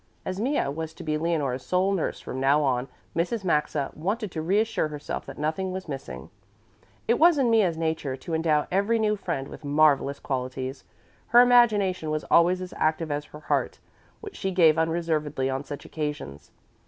As Mea was to be Leonore's sole nurse from now on, Mrs. Maxa wanted to reassure herself that nothing was missing. It was in Mea's nature to endow every new friend with marvellous qualities. Her imagination was always as active as her heart, which she gave unreservedly on such occasions.